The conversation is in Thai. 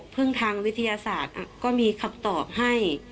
พึ่งทางวิทยาศาสตร์ก็มีคำตอบให้